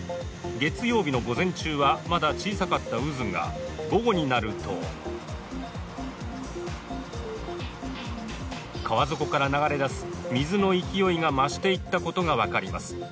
月曜日の午前中はまだ小さかった渦が午後になると川底から流れ出す水の勢いが増していったことが分かります。